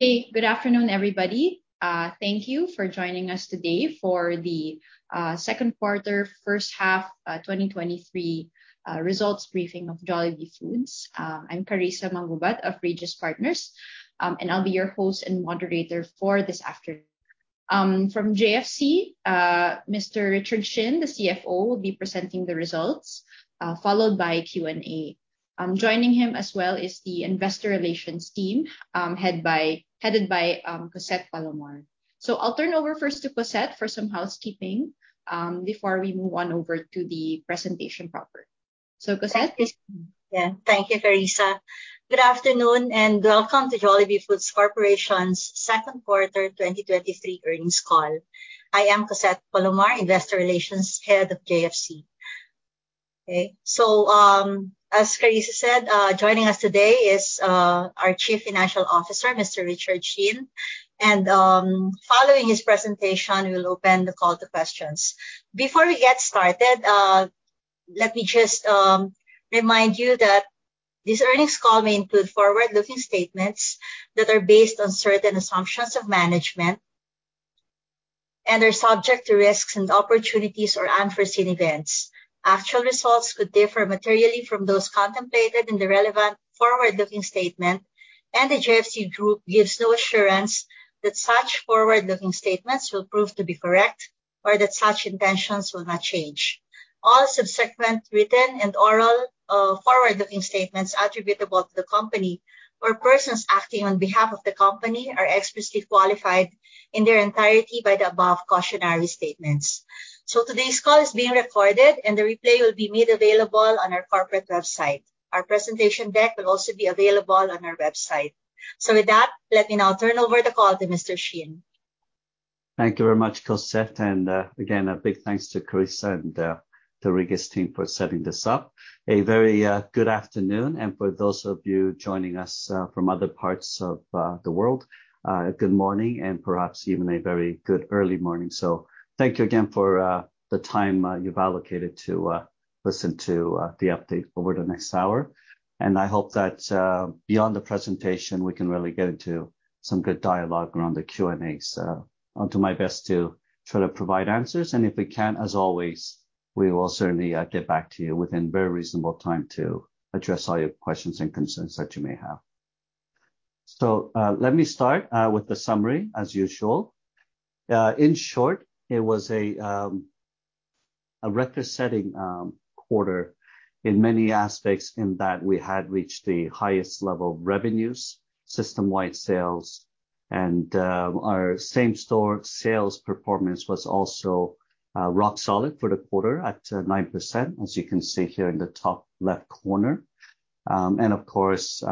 Hey, good afternoon, everybody. Thank you for joining us today for the second quarter, 1st half, 2023 results briefing of Jollibee Foods. I'm Carissa Mangubat of Regis Partners, and I'll be your host and moderator for this afternoon. From JFC, Mr. Richard Shin, the CFO, will be presenting the results, followed by Q&A. Joining him as well is the investor relations team, headed by Cossette Palomar. I'll turn over first to Cossette for some housekeeping before we move on over to the presentation proper. Cossette? Yeah. Thank you, Carissa. Good afternoon, and welcome to Jollibee Foods Corporation's second quarter 2023 earnings call. I am Cossette Palomar, Investor Relations Head of JFC. As Carissa said, joining us today is our Chief Financial Officer, Mr. Richard Shin, and following his presentation, we'll open the call to questions. Before we get started, let me just remind you that this earnings call may include forward-looking statements that are based on certain assumptions of management and are subject to risks and opportunities or unforeseen events. Actual results could differ materially from those contemplated in the relevant forward-looking statement, the JFC group gives no assurance that such forward-looking statements will prove to be correct or that such intentions will not change. All subsequent written and oral forward-looking statements attributable to the company or persons acting on behalf of the company are expressly qualified in their entirety by the above cautionary statements. Today's call is being recorded, and the replay will be made available on our corporate website. Our presentation deck will also be available on our website. With that, let me now turn over the call to Mr. Shin. Thank you very much, Cossette, and again, a big thanks to Carissa and the Regis Partners team for setting this up. A very good afternoon, and for those of you joining us from other parts of the world, good morning, and perhaps even a very good early morning. Thank you again for the time you've allocated to listen to the update over the next hour. I hope that beyond the presentation, we can really get into some good dialogue around the Q&A. I'll do my best to try to provide answers, and if we can't, as always, we will certainly get back to you within a very reasonable time to address all your questions and concerns that you may have. Let me start with the summary, as usual. was a record-setting quarter in many aspects in that we had reached the highest level of revenues, system-wide sales, and our same-store sales performance was also rock solid for the quarter at 9%, as you can see here in the top left corner. And of course,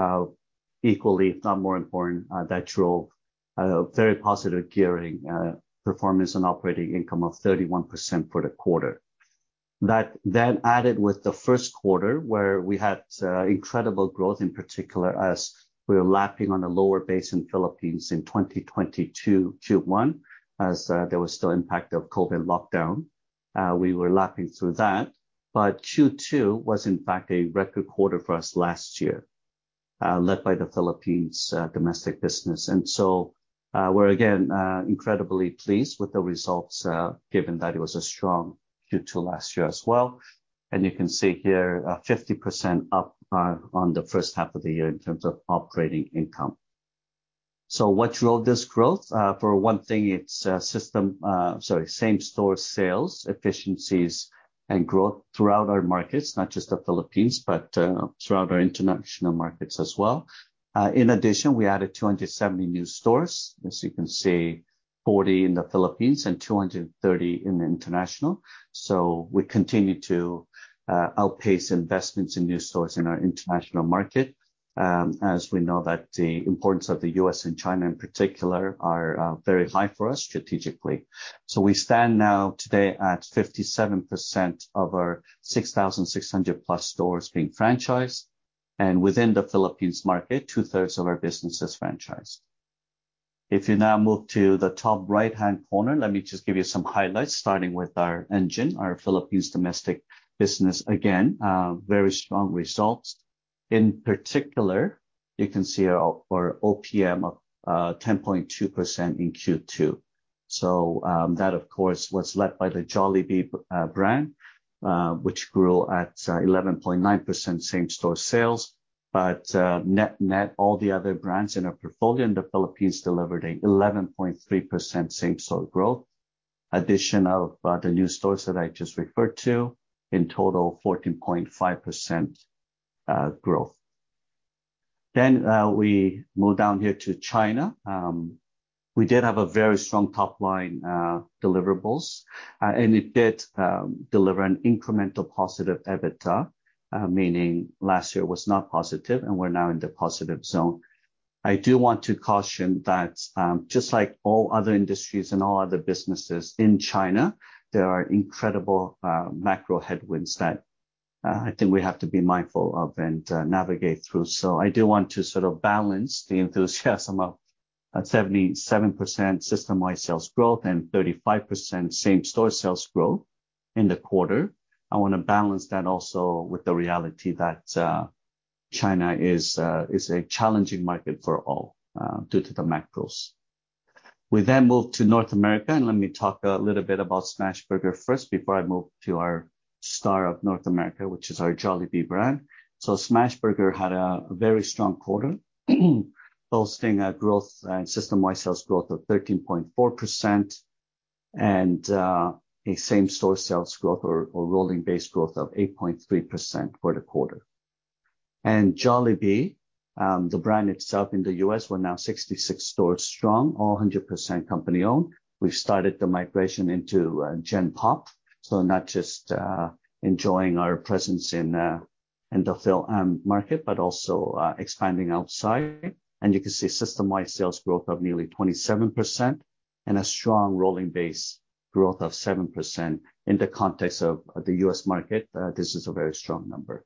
equally, if not more important, that drove a very positive gearing performance and operating income of 31% for the quarter. That added with the first quarter, where we had incredible growth, in particular, as we were lapping on a lower base in the Philippines in 2022, Q1, as there was still impact of COVID lockdown. We were lapping through that, but Q2 was in fact a record quarter for us last year, led by the Philippines domestic business. We're again incredibly pleased with the results, given that it was a strong Q2 last year as well. You can see here, 50% up on the first half of the year in terms of operating income. What drove this growth? For one thing, it's, sorry, same-store sales, efficiencies and growth throughout our markets, not just the Philippines, but throughout our international markets as well. In addition, we added 270 new stores. As you can see, 40 in the Philippines and 230 in the international. We continue to outpace investments in new stores in our international market, as we know that the importance of the U.S. and China in particular are very high for us strategically. We stand now today at 57% of our 6,600-plus stores being franchised, and within the Philippines market, two-thirds of our business is franchised. If you now move to the top right-hand corner, let me just give you some highlights, starting with our engine, our Philippines domestic business. Again, very strong results. In particular, you can see our OPM of 10.2% in Q2. That, of course, was led by the Jollibee brand, which grew at 11.9% same-store sales. Net-net, all the other brands in our portfolio in the Philippines delivered a 11.3% same-store growth. Addition of the new stores that I just referred to, in total, 14.5% growth. We move down here to China. We did have a very strong top-line deliverables, and it did deliver an incremental positive EBITDA, meaning last year was not positive, and we're now in the positive zone. I do want to caution that, just like all other industries and all other businesses in China, there are incredible macro headwinds that I think we have to be mindful of and navigate through. I do want to sort of balance the enthusiasm of a 77% system-wide sales growth and 35% same-store sales growth in the quarter. I want to balance that also with the reality that China is a challenging market for all due to the macros. We move to North America, let me talk a little bit about Smashburger first before I move to our star of North America, which is our Jollibee brand. Smashburger had a very strong quarter, boasting a growth and system-wide sales growth of 13.4%, a same-store sales growth or rolling base growth of 8.3% for the quarter. Jollibee, the brand itself in the U.S., we're now 66 stores strong, all 100% company-owned. We've started the migration into Gen Pop, not just enjoying our presence in the Phil market, expanding outside. You can see system-wide sales growth of nearly 27% and a strong rolling base growth of 7%. In the context of the U.S. market, this is a very strong number.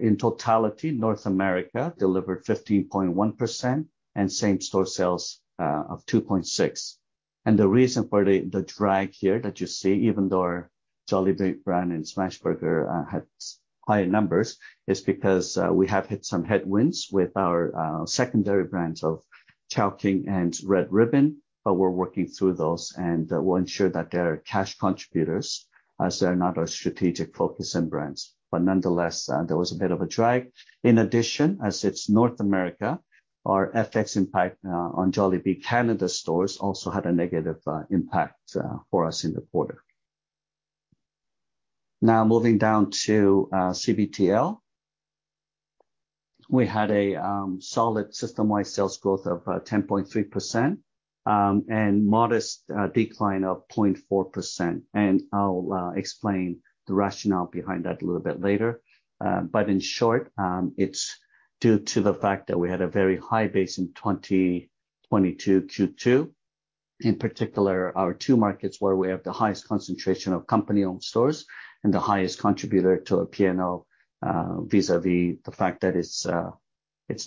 In totality, North America delivered 15.1% and same-store sales of 2.6%. The reason for the drag here that you see, even though our Jollibee brand and Smashburger had high numbers, is because we have hit some headwinds with our secondary brands of Chowking and Red Ribbon, but we're working through those, and we'll ensure that they are cash contributors as they're not our strategic focus in brands. Nonetheless, there was a bit of a drag. In addition, as it's North America, our FX impact on Jollibee Canada stores also had a negative impact for us in the quarter. Moving down to CBTL. We had a solid system-wide sales growth of 10.3%, and modest decline of 0.4%, and I'll explain the rationale behind that a little bit later. In short, it's due to the fact that we had a very high base in 2022, Q2. In particular, our two markets where we have the highest concentration of company-owned stores and the highest contributor to our P&L, vis-a-vis the fact that it's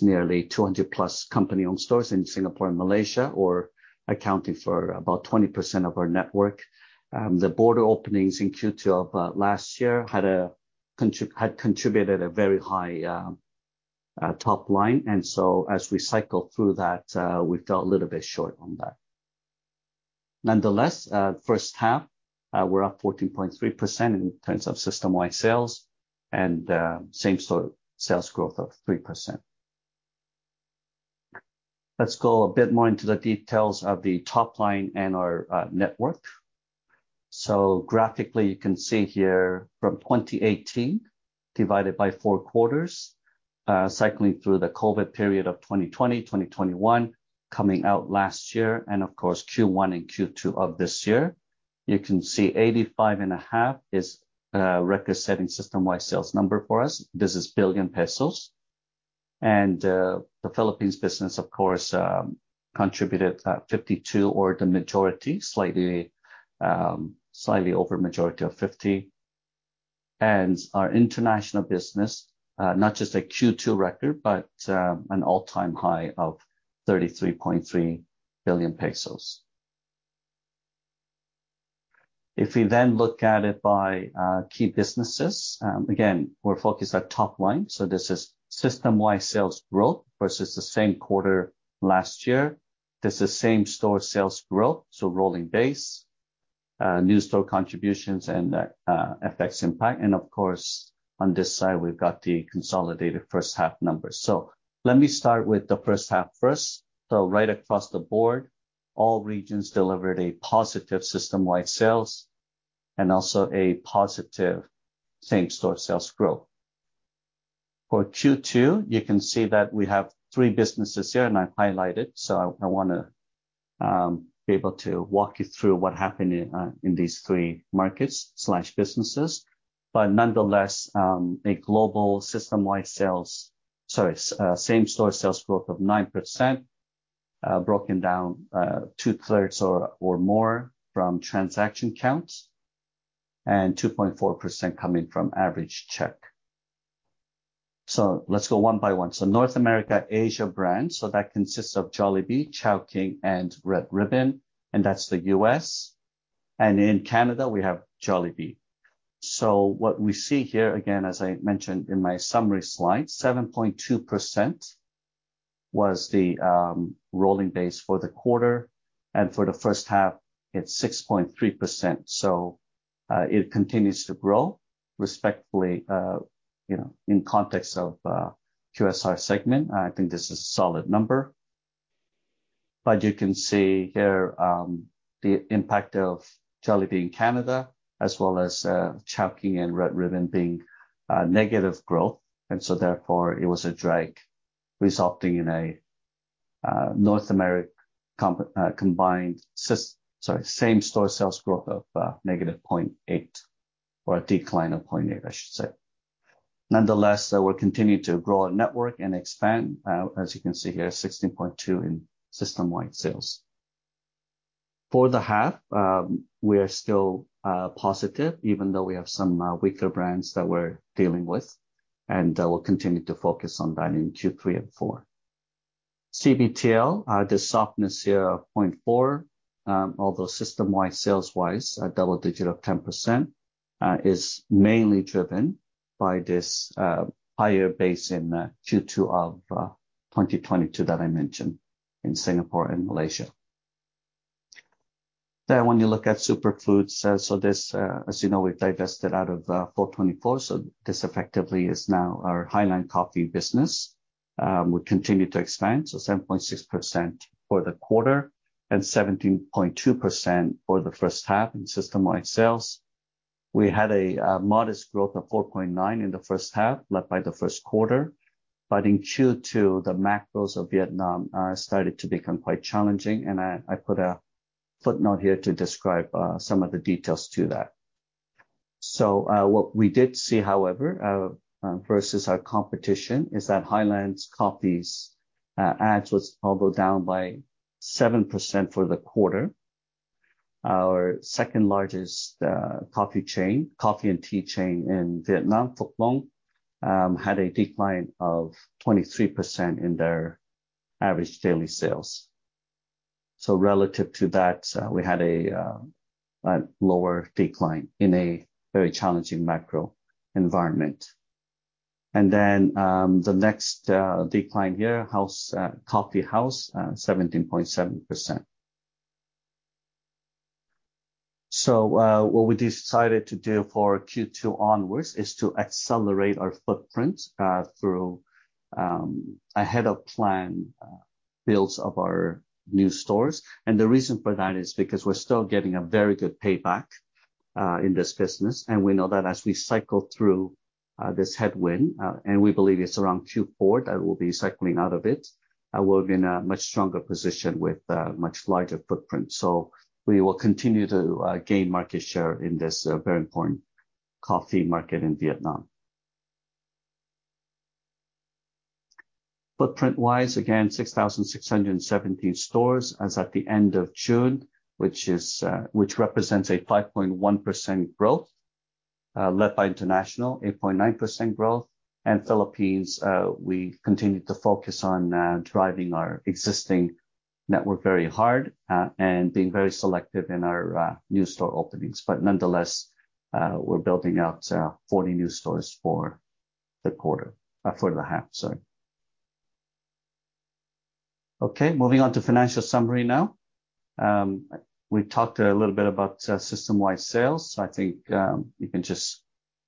nearly 200-plus company-owned stores in Singapore and Malaysia, or accounting for about 20% of our network. The border openings in Q2 of last year had contributed a very high top line, so as we cycled through that, we fell a little bit short on that. Nonetheless, first half, we're up 14.3% in terms of system-wide sales and same-store sales growth of 3%. Let's go a bit more into the details of the top line and our network. Graphically, you can see here from 2018, divided by four quarters, cycling through the COVID period of 2020, 2021, coming out last year, and of course, Q1 and Q2 of this year. You can see 85.5 billion is a record-setting system-wide sales number for us. This is billion PHP. The Philippines business, of course, contributed 52 billion or the majority, slightly, slightly over majority of 50 billion. Our international business, not just a Q2 record, but an all-time high of 33.3 billion pesos. If we look at it by key businesses, again, we're focused on top line, so this is system-wide sales growth versus the same quarter last year. This is same-store sales growth, so rolling base, new store contributions, and FX impact. Of course, on this side, we've got the consolidated first half numbers. Let me start with the first half first. Right across the board, all regions delivered a positive system-wide sales and also a positive same-store sales growth. For Q2, you can see that we have three businesses here, and I've highlighted, I, I wanna be able to walk you through what happened in these three markets/businesses. Nonetheless, a global system-wide sales-- Sorry, same-store sales growth of 9%, broken down, 2/3 or, or more from transaction counts, and 2.4% coming from average check. Let's go one by one. North America, Asia brands, so that consists of Jollibee, Chowking, and Red Ribbon, and that's the U.S. In Canada, we have Jollibee. What we see here, again, as I mentioned in my summary slide, 7.2% was the rolling base for the quarter, and for the first half, it's 6.3%. It continues to grow respectfully, you know, in context of QSR segment. I think this is a solid number. You can see here, the impact of Jollibee in Canada, as well as, Chowking and Red Ribbon being, negative growth, and so therefore, it was a drag, resulting in a, North America comp, Sorry, same-store sales growth of, -0.8, or a decline of 0.8, I should say. Nonetheless, we'll continue to grow our network and expand, as you can see here, 16.2 in System-Wide Sales. For the half, we are still, positive, even though we have some, weaker brands that we're dealing with, and, we'll continue to focus on that in Q3 and Q4. CBTL, the softness here of 0.4, although system-wide, sales-wise, a double digit of 10%, is mainly driven by this higher base in Q2 of 2022 that I mentioned in Singapore and Malaysia. When you look at Superfoods, so this, as you know, we've divested out of PHO24, so this effectively is now our Highlands Coffee business. We continue to expand, so 7.6% for the quarter and 17.2% for the first half in system-wide sales. We had a modest growth of 4.9% in the first half, led by the first quarter. In Q2, the macros of Vietnam started to become quite challenging, and I, I put a footnote here to describe some of the details to that. What we did see, however, versus our competition, is that Highlands Coffee's ADS was although down by 7% for the quarter. Our second largest coffee chain-- coffee and tea chain in Vietnam, Phúc Long, had a decline of 23% in their average daily sales. Relative to that, we had a lower decline in a very challenging macro environment. The next decline here, Coffee House, 17.7%. What we decided to do for Q2 onwards is to accelerate our footprint through ahead of plan builds of our new stores. The reason for that is because we're still getting a very good payback in this business, and we know that as we cycle through this headwind, and we believe it's around Q4 that we'll be cycling out of it, we'll be in a much stronger position with a much larger footprint. We will continue to gain market share in this very important coffee market in Vietnam. Footprint-wise, again, 6,617 stores as at the end of June, which is which represents a 5.1% growth, led by international, 8.9% growth. Philippines, we continue to focus on driving our existing network very hard, and being very selective in our new store openings. Nonetheless, we're building out 40 new stores for the quarter, for the half, sorry. Moving on to financial summary now. We talked a little bit about system-wide sales. I think you can just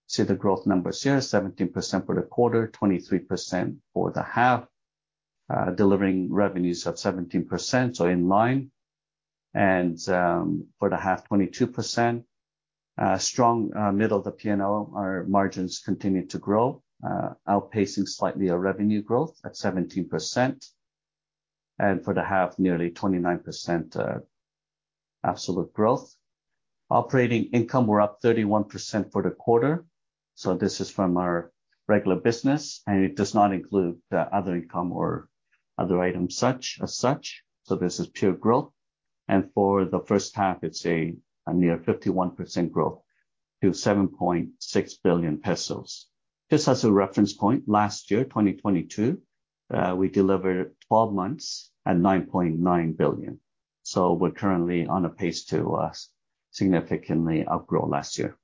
see the growth numbers here, 17% for the quarter, 23% for the half, delivering revenues of 17%, so in line. For the half, 22%. Strong middle of the P&L, our margins continued to grow, outpacing slightly our revenue growth at 17%, and for the half, nearly 29% absolute growth. Operating income were up 31% for the quarter, so this is from our regular business, and it does not include the other income or other items such, as such, so this is pure growth. For the first half, it's a near 51% growth to 7.6 billion pesos. Just as a reference point, last year, 2022, we delivered 12 months at 9.9 billion. We're currently on a pace to significantly outgrow last year.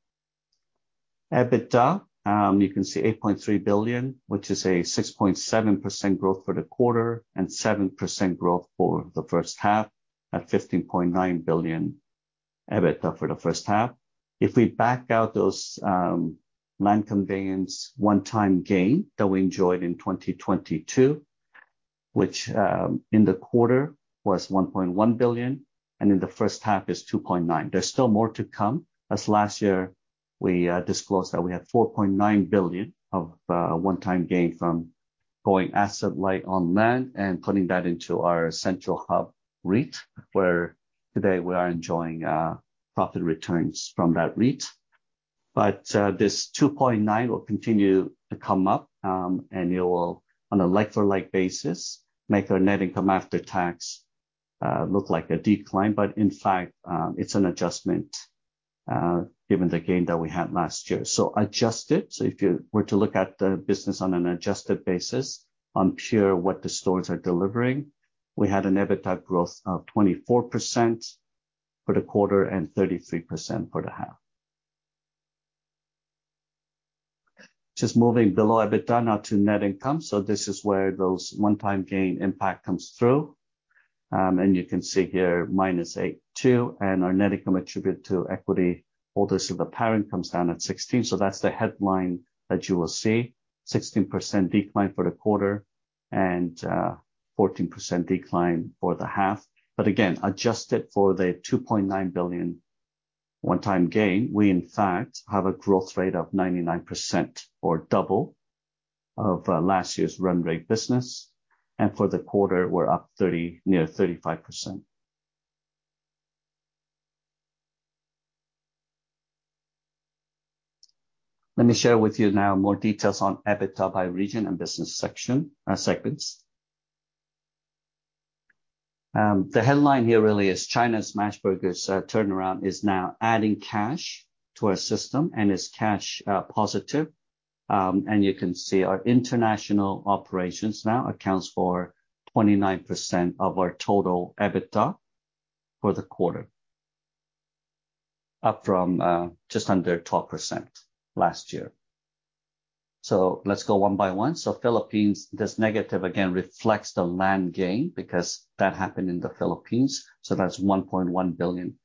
EBITDA, you can see 8.3 billion, which is a 6.7% growth for the quarter and 7% growth for the first half at 15.9 billion EBITDA for the first half. If we back out those land conveyance one-time gain that we enjoyed in 2022, which in the quarter was 1.1 billion, and in the first half is 2.9 billion. There's still more to come. As last year, we disclosed that we had 4.9 billion of one-time gain from going asset light on land and putting that into our CentralHub REIT, where today we are enjoying profit returns from that REIT. This 2.9 will continue to come up, and it will, on a like-for-like basis, make our Net Income After Tax look like a decline, but in fact, it's an adjustment given the gain that we had last year. Adjusted, so if you were to look at the business on an adjusted basis, on pure what the stores are delivering, we had an EBITDA growth of 24% for the quarter and 33% for the half. Just moving below EBITDA now to Net Income. This is where those one-time gain impact comes through. You can see here, -82%, and our net income attribute to equity, all this of the parent comes down at 16%. That's the headline that you will see, 16% decline for the quarter and 14% decline for the half. Again, adjusted for the 2.9 billion one-time gain, we in fact have a growth rate of 99% or double of last year's run rate business, and for the quarter, we're up nearly 35%. Let me share with you now more details on EBITDA by region and business section, segments. The headline here really is China's Smashburger's turnaround is now adding cash to our system and is cash positive. You can see our international operations now accounts for 29% of our total EBITDA for the quarter, up from just under 12% last year. Let's go one by one. Philippines, this negative again reflects the land gain, because that happened in the Philippines, so that's 1.1 billion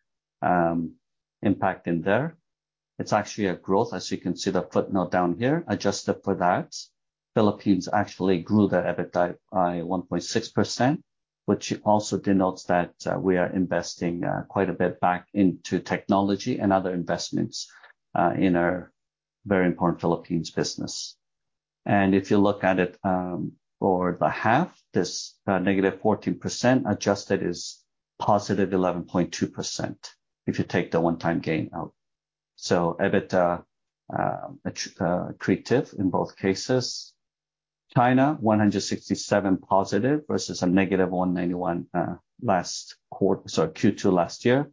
impact in there. It's actually a growth, as you can see the footnote down here, adjusted for that. Philippines actually grew their EBITDA by 1.6%, which also denotes that we are investing quite a bit back into technology and other investments in our very important Philippines business. If you look at it, for the half, this -14% adjusted is positive 11.2%, if you take the one-time gain out. EBITDA accretive in both cases. China, 167 positive versus a -191, last quarter-- sorry, Q2 last year,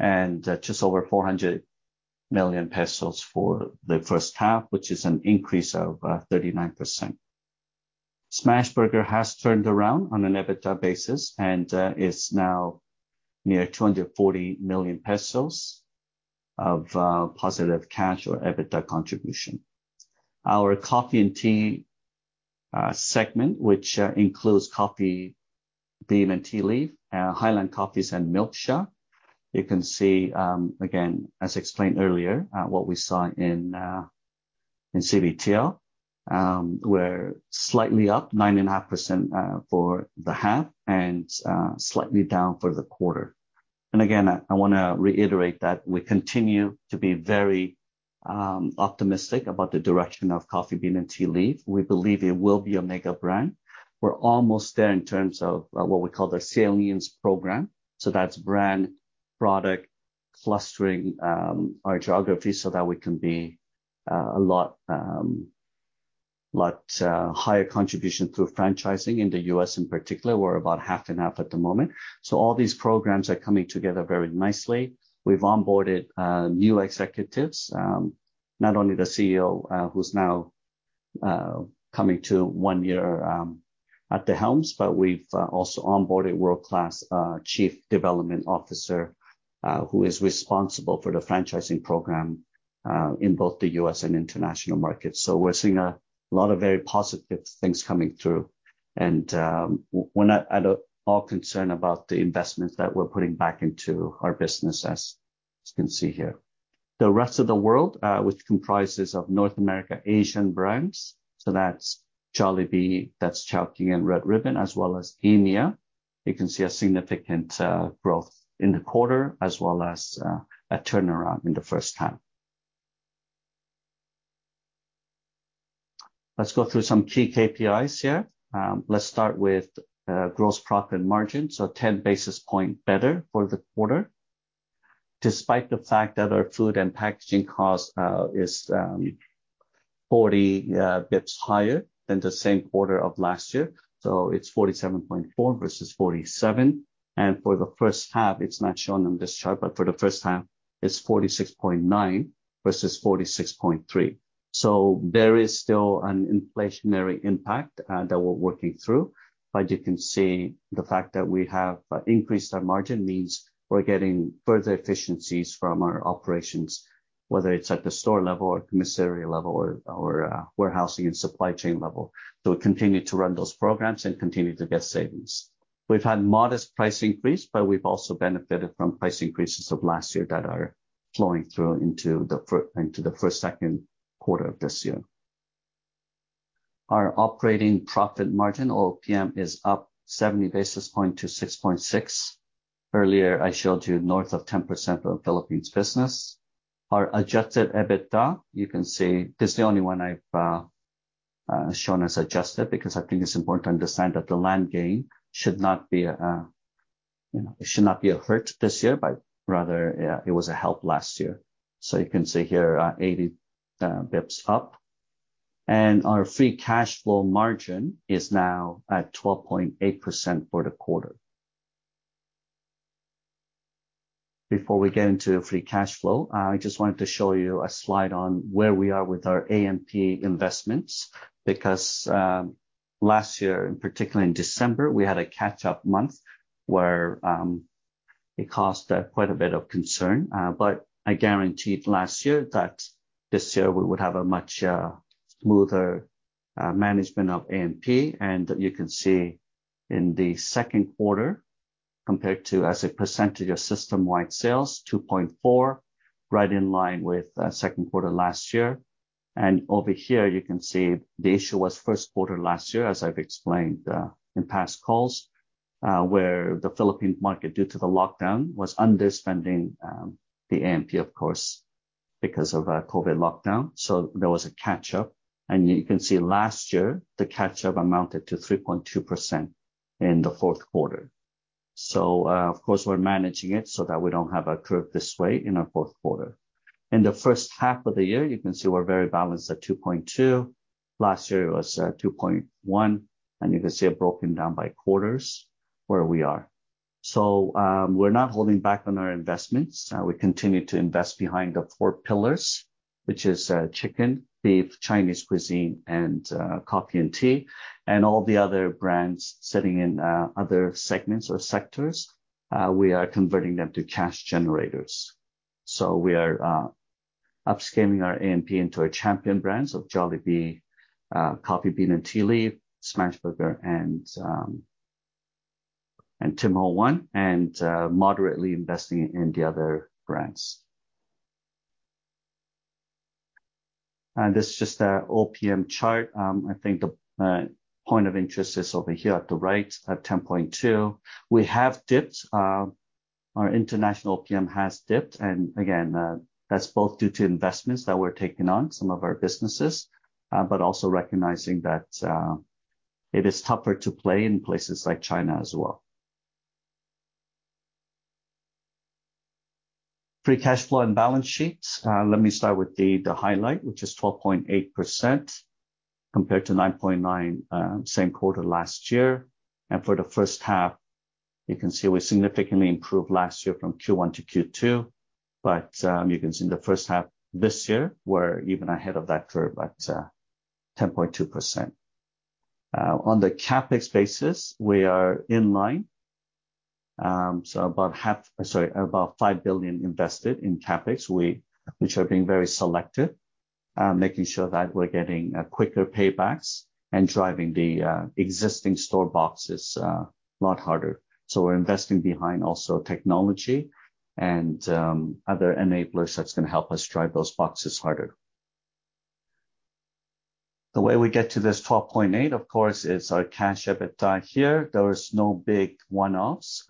and just over 400 million pesos for the first half, which is an increase of 39%. Smashburger has turned around on an EBITDA basis, and is now near 240 million pesos of positive cash or EBITDA contribution. Our coffee and tea segment, which includes The Coffee Bean & Tea Leaf, Highlands Coffee and Milksha, you can see, again, as explained earlier, what we saw in CBTL, we're slightly up 9.5% for the half, and slightly down for the quarter. Again, I, I wanna reiterate that we continue to be very optimistic about the direction of The Coffee Bean & Tea Leaf. We believe it will be a mega brand. We're almost there in terms of what we call the Salience Program. That's brand, product, clustering, our geography so that we can be a lot, lot higher contribution through franchising in the U.S. in particular. We're about half and half at the moment. All these programs are coming together very nicely. We've onboarded new executives, not only the CEO, who's now coming to one year at the helms, but we've also onboarded world-class Chief Development Officer, who is responsible for the franchising program in both the U.S. and international markets. We're seeing a lot of very positive things coming through, and we're not at all concerned about the investments that we're putting back into our business, as you can see here. The rest of the world, which comprises of North America, Asian brands, so that's Jollibee, that's Chowking and Red Ribbon, as well as AMEA. You can see a significant growth in the quarter, as well as a turnaround in the first half. Let's go through some key KPIs here. Let's start with gross profit margin, so 10 basis points better for the quarter, despite the fact that our food and packaging cost is 40 basis points higher than the same quarter of last year, so it's 47.4 versus 47. For the first half, it's not shown on this chart, but for the first half, it's 46.9 versus 46.3. There is still an inflationary impact that we're working through. You can see the fact that we have increased our margin means we're getting further efficiencies from our operations, whether it's at the store level or commissary level or, or warehousing and supply chain level. We continue to run those programs and continue to get savings. We've had modest price increase, but we've also benefited from price increases of last year that are flowing through into the first second quarter of this year. Our operating profit margin, OPM, is up 70 basis points to 6.6%. Earlier, I showed you north of 10% of Philippines business. Our adjusted EBITDA, you can see, this is the only one I've shown as adjusted, because I think it's important to understand that the land gain should not be, you know, it should not be a hurt this year, rather, it was a help last year. You can see here, 80 basis points up. Our free cash flow margin is now at 12.8% for the quarter. Before we get into free cash flow, I just wanted to show you a slide on where we are with our AMP investments, because last year, in particular in December, we had a catch-up month where it caused quite a bit of concern. I guaranteed last year that this year we would have a much smoother management of AMP. You can see in the second quarter, compared to as a percentage of system-wide sales, 2.4, right in line with second quarter last year. Over here, you can see the issue was first quarter last year, as I've explained in past calls, where the Philippine market, due to the lockdown, was underspending the AMP, of course, because of COVID lockdown. There was a catch-up, and you can see last year, the catch-up amounted to 3.2% in the fourth quarter. Of course, we're managing it so that we don't have a curve this way in our fourth quarter. In the first half of the year, you can see we're very balanced at 2.2. Last year, it was 2.1, and you can see it broken down by quarters where we are. We're not holding back on our investments. We continue to invest behind the four pillars, which is chicken, beef, Chinese cuisine, and coffee and tea, and all the other brands sitting in other segments or sectors, we are converting them to cash generators. We are upscaling our AMP into our champion brands of Jollibee, Coffee Bean & Tea Leaf, Smashburger, and Tim Ho Wan, and moderately investing in the other brands. This is just a OPM chart. I think the point of interest is over here at the right, at 10.2. We have dipped, our international OPM has dipped, and again, that's both due to investments that we're taking on some of our businesses, but also recognizing that it is tougher to play in places like China as well. Free cash flow and balance sheets. Let me start with the highlight, which is 12.8% compared to 9.9% same quarter last year. For the first half, you can see we significantly improved last year from Q1 to Q2, but you can see in the first half this year, we're even ahead of that curve at 10.2%. On the CapEx basis, we are in line. About half-- sorry, about 5 billion invested in CapEx, which are being very selective, making sure that we're getting quicker paybacks and driving the existing store boxes a lot harder. We're investing behind also technology and other enablers that's going to help us drive those boxes harder. The way we get to this 12.8 billion, of course, is our cash EBITDA here. There is no big one-offs.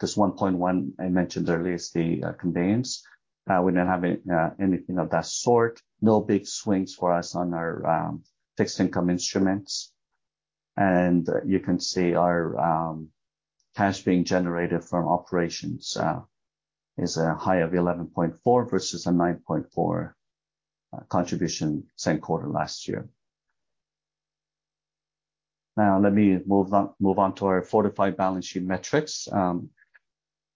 This 1.1 billion I mentioned earlier is the conveyance. We don't have any anything of that sort. No big swings for us on our fixed income instruments. You can see our cash being generated from operations is a high of 11.4 billion versus a 9.4 billion contribution same quarter last year. Now let me move on, move on to our fortified balance sheet metrics.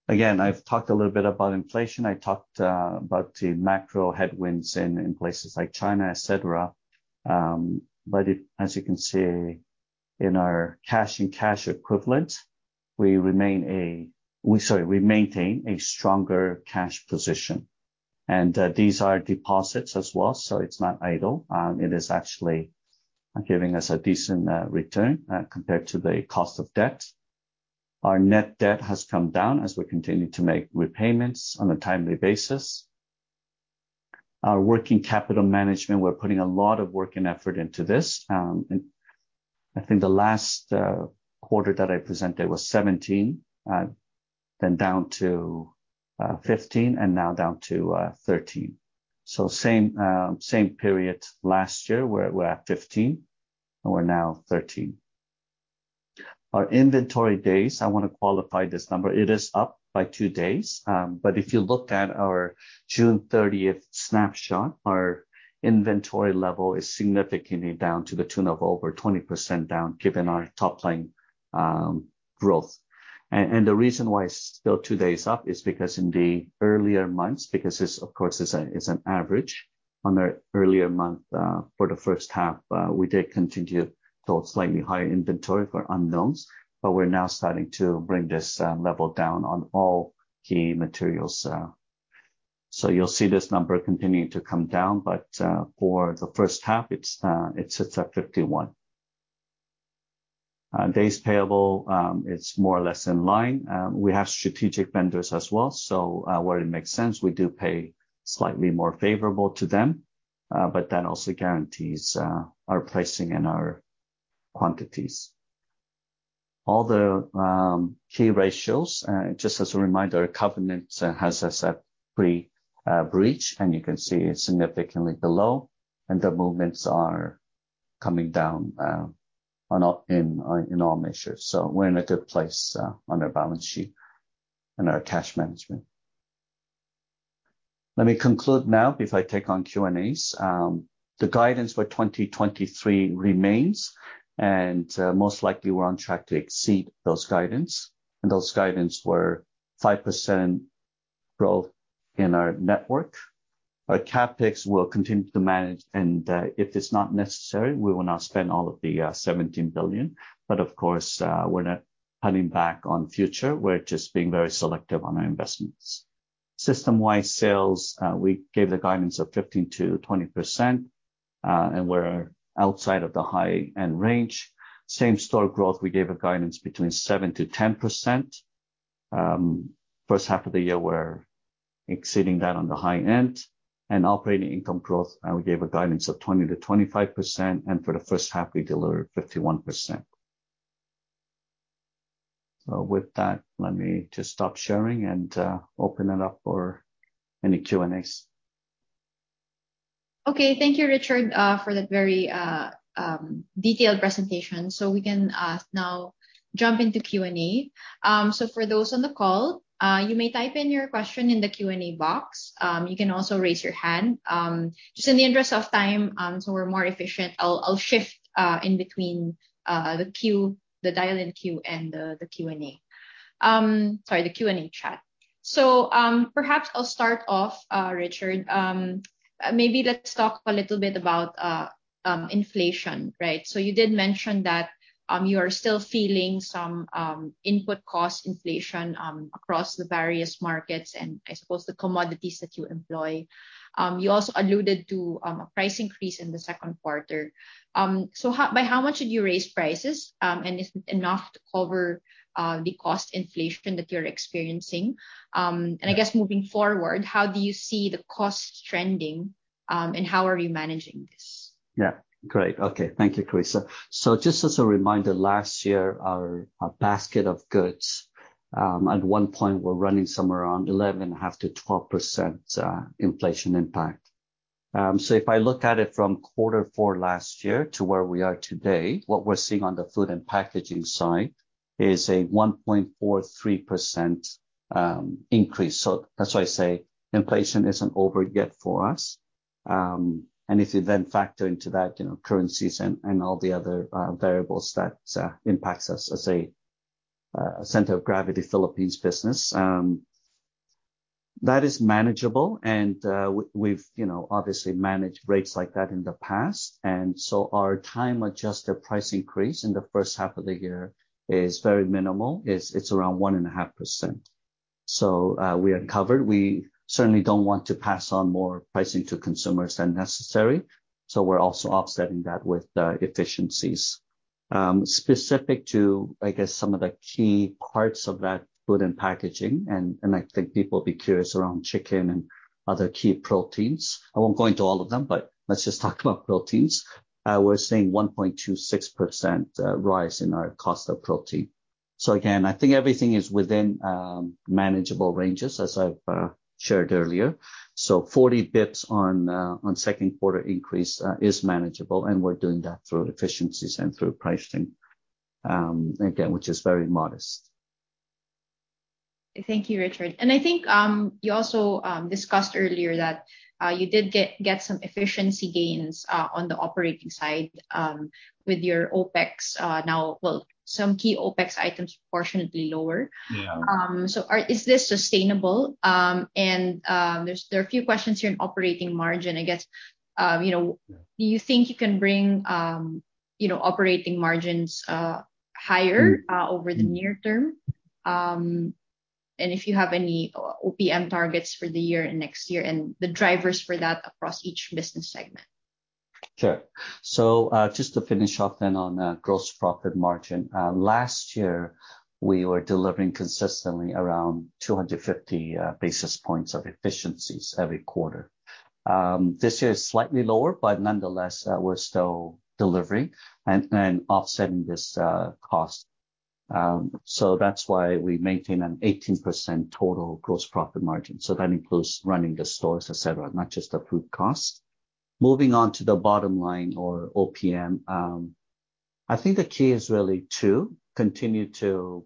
Again, I've talked a little bit about inflation. I talked about the macro headwinds in places like China, et cetera. As you can see, in our cash and cash equivalent, we, sorry, we maintain a stronger cash position, and these are deposits as well, so it's not idle. It is actually giving us a decent return compared to the cost of debt. Our net debt has come down as we continue to make repayments on a timely basis. Our working capital management, we're putting a lot of work and effort into this. I think the last quarter that I presented was 17, then down to 15, and now down to 13. Same period last year, we're at 15, and we're now 13. Our inventory days, I wanna qualify this number. It is up by two days, but if you looked at our June 30th snapshot, our inventory level is significantly down to the tune of over 20% down, given our top-line growth. The reason why it's still two days up is because in the earlier months, because this, of course, is an average, on our earlier month, for the first half, we did continue to hold slightly higher inventory for unknowns, but we're now starting to bring this level down on all key materials. You'll see this number continuing to come down, but for the first half, it's, it sits at 51. Days payable, it's more or less in line. We have strategic vendors as well, so where it makes sense, we do pay slightly more favorable to them, but that also guarantees our pricing and our quantities. All the key ratios, just as a reminder, covenant has us at pre-breach, and you can see it is significantly below, and the movements are coming down on all in all measures. So we are in a good place on our balance sheet and our cash management. Let me conclude now before I take on Q&As. The guidance for 2023 remains, and most likely we are on track to exceed those guidance, and those guidance were 5% growth in our network. Our CapEx will continue to manage, and if it is not necessary, we will not spend all of the 17 billion. Of course, we're not cutting back on future. We're just being very selective on our investments. System-wide sales, we gave the guidance of 15%-20%, and we're outside of the high-end range. Same-store growth, we gave a guidance between 7%-10%. First half of the year, we're exceeding that on the high end. Operating income growth, we gave a guidance of 20%-25%, and for the first half, we delivered 51%. With that, let me just stop sharing and open it up for any Q&As. Okay, thank you, Richard, for that very detailed presentation. We can now jump into Q&A. For those on the call, you may type in your question in the Q&A box. You can also raise your hand. Just in the interest of time, so we're more efficient, I'll shift in between the queue, the dial-in queue, and the Q&A. Sorry, the Q&A chat. Perhaps I'll start off, Richard. Maybe let's talk a little bit about inflation, right? You did mention that you are still feeling some input cost inflation across the various markets, and I suppose the commodities that you employ. You also alluded to a price increase in the second quarter. By how much did you raise prices? Is it enough to cover the cost inflation that you're experiencing? I guess moving forward, how do you see the cost trending, and how are you managing this? Yeah. Great. Okay. Thank you, Carissa. Just as a reminder, last year, our, our basket of goods, at one point, were running somewhere around 11.5%-12% inflation impact. If I look at it from Q4 last year to where we are today, what we're seeing on the food and packaging side is a 1.43% increase. That's why I say inflation isn't over yet for us. If you then factor into that, you know, currencies and, and all the other variables that impacts us as a center of gravity Philippines business, that is manageable, and we've, you know, obviously managed rates like that in the past. Our time-adjusted price increase in the first half of the year is very minimal. It's around 1.5%. We are covered. We certainly don't want to pass on more pricing to consumers than necessary, so we're also offsetting that with efficiencies. Specific to, I guess, some of the key parts of that food and packaging, and I think people will be curious around chicken and other key proteins. I won't go into all of them, but let's just talk about proteins. We're seeing 1.26% rise in our cost of protein. Again, I think everything is within manageable ranges, as I've shared earlier. 40 basis points on second quarter increase is manageable, and we're doing that through efficiencies and through pricing, again, which is very modest. Thank you, Richard. I think, you also, discussed earlier that, you did get, get some efficiency gains, on the operating side, with your OpEx, now... Well, some key OpEx items fortunately lower. Yeah. So is this sustainable? There's, there are a few questions here in operating margin, I guess. You know, do you think you can bring, you know, operating margins higher- Mm-hmm. Over the near term? And if you have any OPM targets for the year and next year, and the drivers for that across each business segment. Sure. Just to finish off then on gross profit margin. Last year, we were delivering consistently around 250 basis points of efficiencies every quarter. This year is slightly lower, but nonetheless, we're still delivering and offsetting this cost. That's why we maintain an 18% total gross profit margin. That includes running the stores, et cetera, not just the food costs. Moving on to the bottom line or OPM, I think the key is really to continue to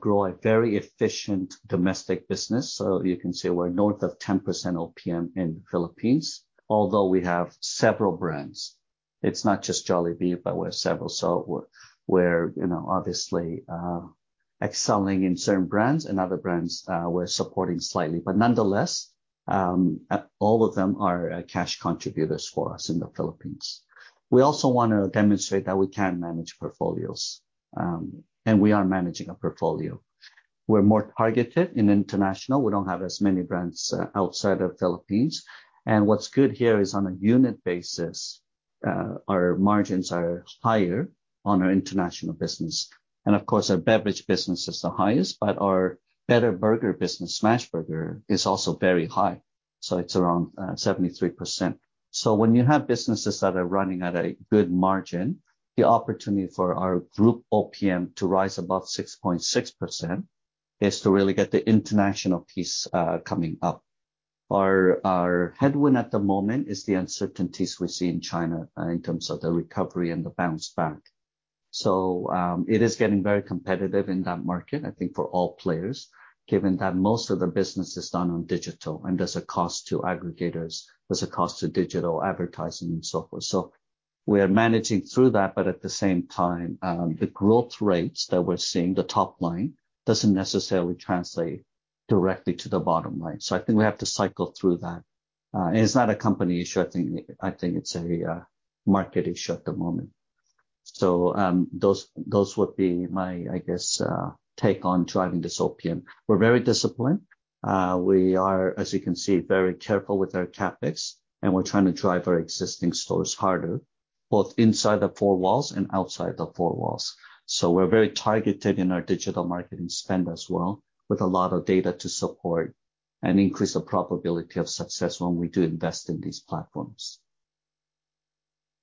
grow a very efficient domestic business. You can see we're north of 10% OPM in the Philippines, although we have several brands. It's not just Jollibee, but we're several. We're, we're, you know, obviously, excelling in certain brands, and other brands, we're supporting slightly. Nonetheless, at all of them are cash contributors for us in the Philippines. We also want to demonstrate that we can manage portfolios, and we are managing a portfolio. We're more targeted in international. We don't have as many brands outside of Philippines. What's good here is, on a unit basis, our margins are higher on our international business. Of course, our beverage business is the highest, but our better burger business, Smashburger, is also very high, so it's around 73%. When you have businesses that are running at a good margin, the opportunity for our group OPM to rise above 6.6% is to really get the international piece coming up. Our, our headwind at the moment is the uncertainties we see in China in terms of the recovery and the bounce back. It is getting very competitive in that market, I think, for all players, given that most of the business is done on digital, and there's a cost to aggregators, there's a cost to digital advertising and so forth. We are managing through that, but at the same time, the growth rates that we're seeing, the top line, doesn't necessarily translate directly to the bottom line. I think we have to cycle through that. It's not a company issue. I think, I think it's a market issue at the moment. Those, those would be my, I guess, take on driving this OPM. We're very disciplined. We are, as you can see, very careful with our CapEx, and we're trying to drive our existing stores harder, both inside the four walls and outside the four walls. We're very targeted in our digital marketing spend as well, with a lot of data to support and increase the probability of success when we do invest in these platforms.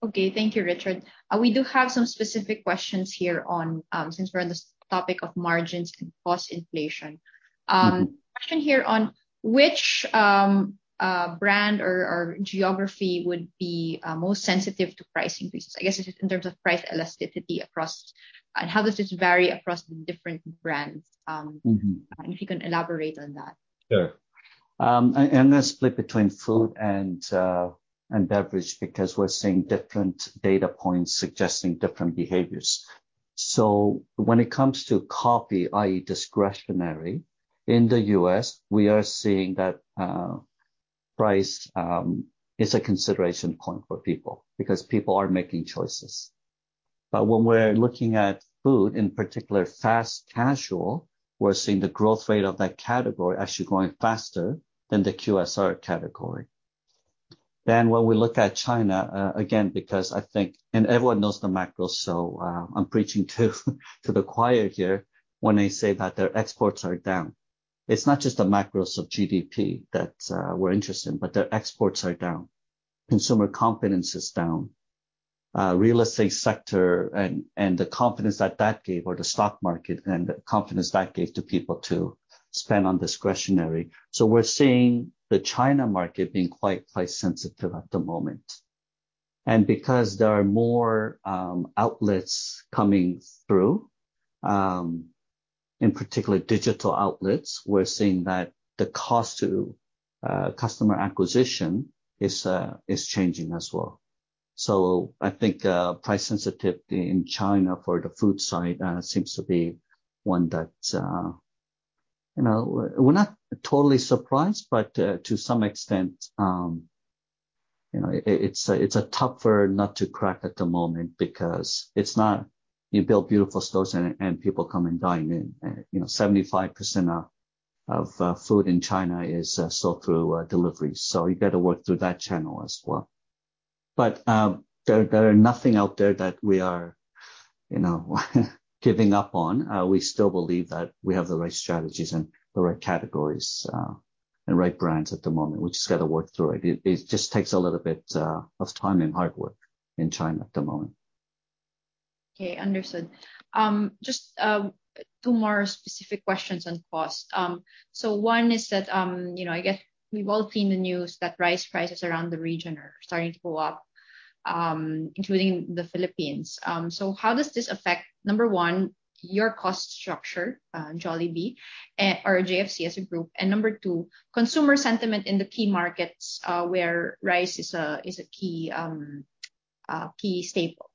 Okay, thank you, Richard. We do have some specific questions here on since we're on this topic of margins and cost inflation. Question here on which brand or geography would be most sensitive to price increases? I guess it's in terms of price elasticity across and how does this vary across the different brands? Mm-hmm. If you can elaborate on that. Sure. I'm gonna split between food and beverage because we're seeing different data points suggesting different behaviors. When it comes to coffee, i.e., discretionary, in the U.S., we are seeing that price is a consideration point for people because people are making choices. When we're looking at food, in particular, fast casual, we're seeing the growth rate of that category actually going faster than the QSR category. When we look at China, again, because I think... And everyone knows the macros, I'm preaching to, to the choir here when I say that their exports are down. It's not just the macros of GDP that we're interested in, but their exports are down. Consumer confidence is down. Real estate sector and, and the confidence that that gave, or the stock market, and the confidence that gave to people to spend on discretionary. We're seeing the China market being quite price sensitive at the moment. Because there are more outlets coming through, in particular, digital outlets, we're seeing that the cost to customer acquisition is changing as well. I think price sensitivity in China for the food side seems to be one that, you know, we're not totally surprised, but to some extent, you know, it, it's a, it's a tough nut to crack at the moment because it's not you build beautiful stores and, and people come and dine in. You know, 75% of food in China is sold through delivery, so you've got to work through that channel as well. there, there are nothing out there that we are, you know, giving up on. We still believe that we have the right strategies and the right categories and right brands at the moment. We just gotta work through it. It, it just takes a little bit of time and hard work in China at the moment. Okay, understood. Just two more specific questions on cost. One is that, you know, I guess we've all seen the news that rice prices around the region are starting to go up, including the Philippines. How does this affect, number one, your cost structure, Jollibee, or JFC as a group, and number two, consumer sentiment in the key markets, where rice is a, is a key, key staple?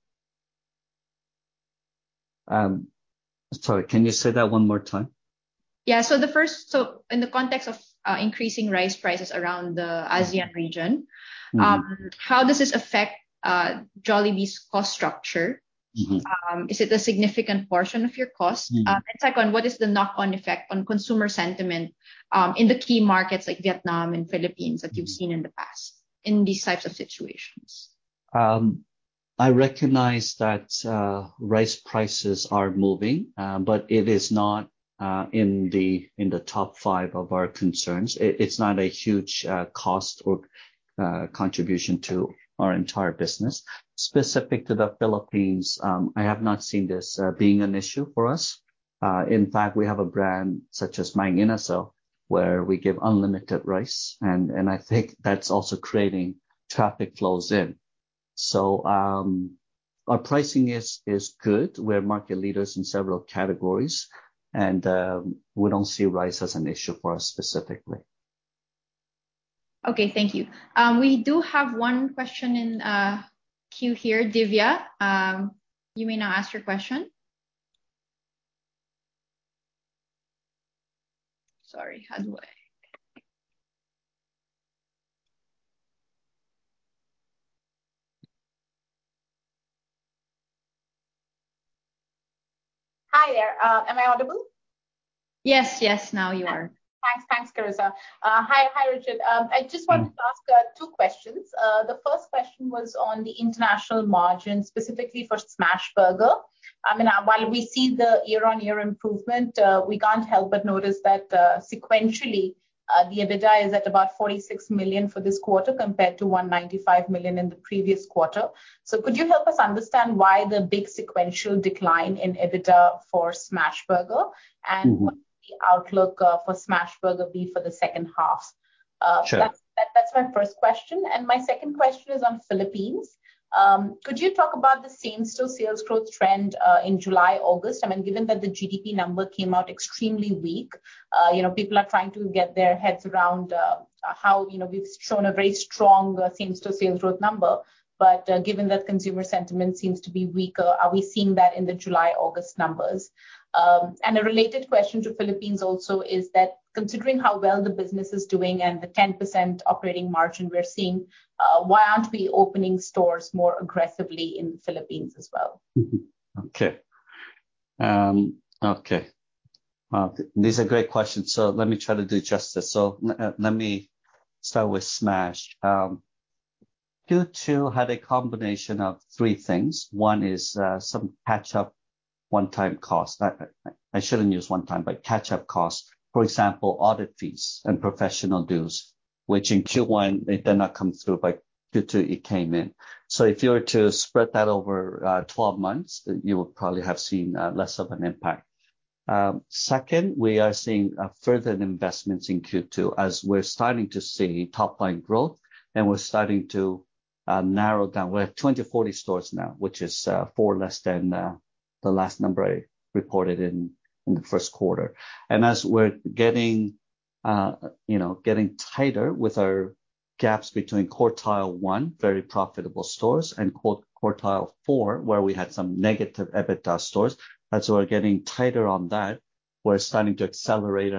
Sorry, can you say that one more time? Yeah. In the context of increasing rice prices around the ASEAN region. Mm-hmm. How does this affect Jollibee's cost structure? Mm-hmm. Is it a significant portion of your cost? Mm. Second, what is the knock-on effect on consumer sentiment in the key markets like Vietnam and Philippines that you've seen in the past in these types of situations? I recognize that rice prices are moving, it is not in the top five of our concerns. It, it's not a huge cost or contribution to our entire business. Specific to the Philippines, I have not seen this being an issue for us. In fact, we have a brand such as Mang Inasal, where we give unlimited rice, and I think that's also creating traffic flows in. Our pricing is good. We're market leaders in several categories, and we don't see rice as an issue for us specifically. Okay, thank you. We do have one question in queue here. Divya, you may now ask your question. Hi, there. Am I audible? Yes, yes, now you are. Thanks. Thanks, Carissa. Hi, hi, Richard. I just wanted to ask two questions. The first question was on the international margin, specifically for Smashburger. I mean, while we see the year-on-year improvement, we can't help but notice that sequentially, the EBITDA is at about 46 million for this quarter, compared to 195 million in the previous quarter. Could you help us understand why the big sequential decline in EBITDA for Smashburger? Mm-hmm. What the outlook for Smashburger be for the second half? Sure. That's, that's my first question. My second question is on Philippines. Could you talk about the same-store sales growth trend in July, August? I mean, given that the GDP number came out extremely weak, you know, people are trying to get their heads around how, you know, we've shown a very strong same-store sales growth number. Given that consumer sentiment seems to be weaker, are we seeing that in the July, August numbers? A related question to Philippines also is that considering how well the business is doing and the 10% operating margin we're seeing, why aren't we opening stores more aggressively in the Philippines as well? Okay. These are great questions, so let me try to do justice. So let me start with Smash. Q2 had a combination of three things. One is, some catch-up-... one-time cost. I, I, I shouldn't use one time, but catch-up cost, for example, audit fees and professional dues, which in Q1, it did not come through, but Q2 it came in. If you were to spread that over 12 months, you would probably have seen less of an impact. Second, we are seeing further investments in Q2 as we're starting to see top-line growth, and we're starting to narrow down. We have 240 stores now, which is four less than the last number I reported in the first quarter. As we're getting, you know, getting tighter with our gaps between quartile one, very profitable stores, and quote quartile four, where we had some negative EBITDA stores. As we're getting tighter on that, we're starting to accelerate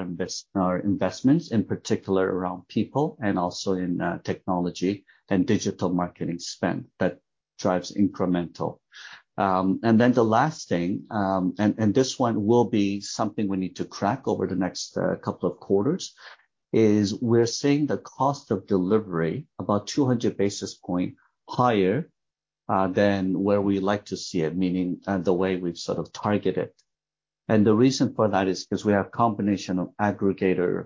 our investments, in particular around people and also in technology and digital marketing spend. That drives incremental. The last thing, this one will be something we need to crack over the next couple of quarters, is we're seeing the cost of delivery about 200 basis points higher than where we like to see it, meaning the way we've sort of targeted. The reason for that is because we have combination of aggregator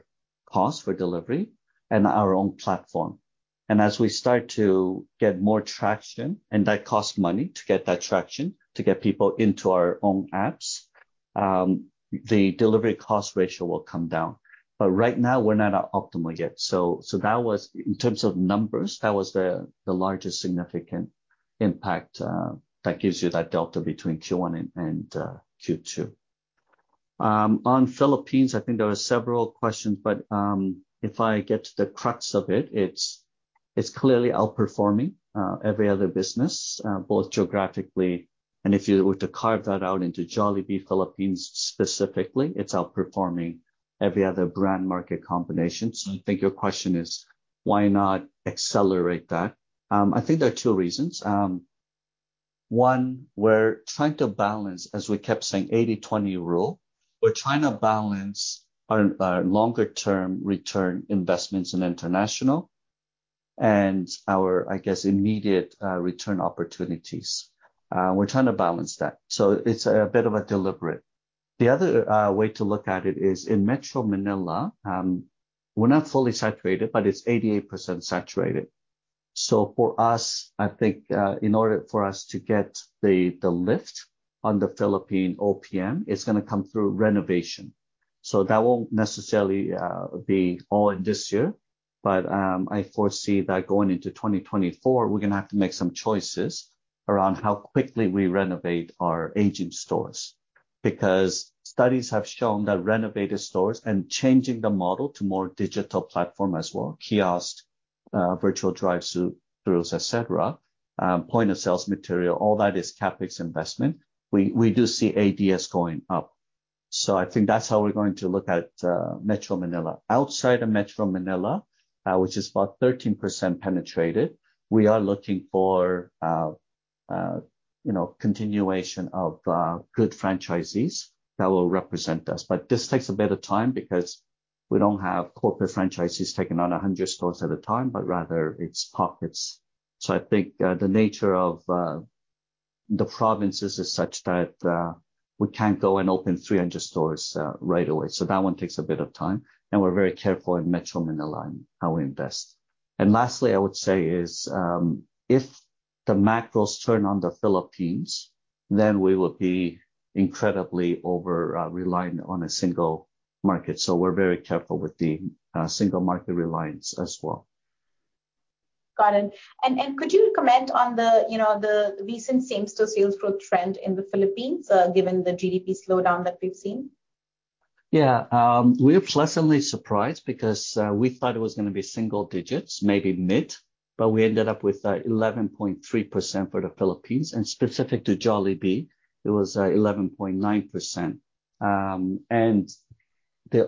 costs for delivery and our own platform. As we start to get more traction, and that costs money to get that traction, to get people into our own apps, the delivery cost ratio will come down. Right now, we're not at optimal yet. That was... In terms of numbers, that was the largest significant impact that gives you that delta between Q1 and Q2. On Philippines, I think there were several questions, if I get to the crux of it, it's clearly outperforming every other business, both geographically, and if you were to carve that out into Jollibee Philippines, specifically, it's outperforming every other brand market combination. I think your question is, why not accelerate that? I think there are two reasons. One, we're trying to balance, as we kept saying, 80/20 rule. We're trying to balance our, our longer term return investments in international and our, I guess, immediate, return opportunities. We're trying to balance that, so it's a bit of a deliberate. The other way to look at it is in Metro Manila, we're not fully saturated, but it's 88% saturated. For us, I think, in order for us to get the, the lift on the Philippine OPM, it's gonna come through renovation. That won't necessarily be all in this year, but I foresee that going into 2024, we're gonna have to make some choices around how quickly we renovate our aging stores. Because studies have shown that renovated stores and changing the model to more digital platform as well, kiosk, virtual drive-through, throughs, et cetera, point of sale material, all that is CapEx investment. We, we do see ADS going up. I think that's how we're going to look at Metro Manila. Outside of Metro Manila, which is about 13% penetrated, we are looking for, you know, continuation of good franchisees that will represent us. This takes a bit of time because we don't have corporate franchisees taking on 100 stores at a time, but rather it's pockets. I think the nature of the provinces is such that we can't go and open 300 stores right away. That one takes a bit of time, and we're very careful in Metro Manila on how we invest. Lastly, I would say is, if the macros turn on the Philippines, then we will be incredibly over reliant on a single market. We're very careful with the single market reliance as well. Got it. Could you comment on the, you know, the recent same-store sales growth trend in the Philippines, given the GDP slowdown that we've seen? Yeah. We're pleasantly surprised because we thought it was gonna be single digits, maybe mid, but we ended up with 11.3% for the Philippines, specific to Jollibee, it was 11.9%.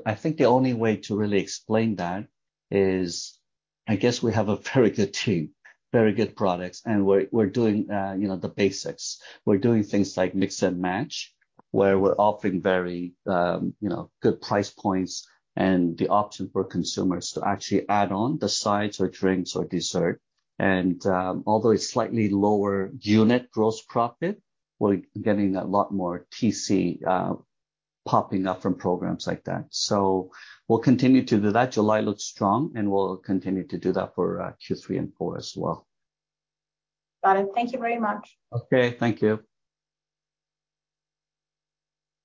I think the only way to really explain that is, I guess we have a very good team, very good products, and we're doing, you know, the basics. We're doing things like mix and match, where we're offering very, you know, good price points and the option for consumers to actually add on the sides or drinks or dessert. Although it's slightly lower unit gross profit, we're getting a lot more TC popping up from programs like that. We'll continue to do that. July looks strong, and we'll continue to do that for Q3 and Q4 as well. Got it. Thank you very much. Okay, thank you.